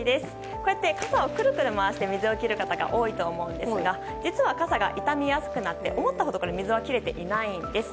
こうやって傘をクルクル回して水を切る方が多いと思うんですけど実は、傘が傷みやすくなって思ったほど水は切れていないんです。